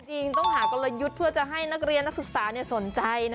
จริงต้องหากลยุทธ์เพื่อจะให้นักเรียนนักศึกษาสนใจนะ